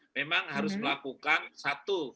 memang harus melakukan satu